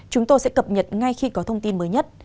chúng tôi sẽ cập nhật ngay khi có thông tin mới nhất